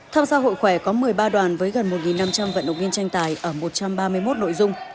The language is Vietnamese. tham gia hội khỏe có một mươi ba đoàn với gần một năm trăm linh vận động viên tranh tài ở một trăm ba mươi một nội dung